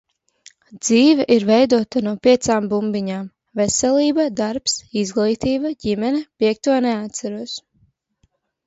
Dzīve ir veidota no piecām bumbiņām - veselība, darbs, izglītība, ģimene, piekto neatceros.